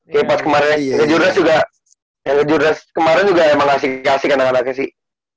kayak pas kemaren ya yang ke jurunas juga emang asik asik anak anaknya sih